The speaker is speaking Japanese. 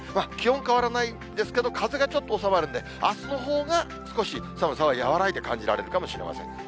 気温変わらないんですけど、風がちょっと収まるんで、あすのほうが少し寒さは和らいで感じられるかもしれません。